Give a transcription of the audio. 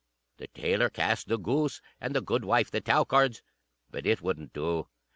The tailor cast the goose, and the goodwife the tow cards; but it wouldn't do.